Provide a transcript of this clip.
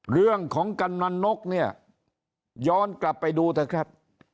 กำนันนกเนี่ยย้อนกลับไปดูเถอะครับ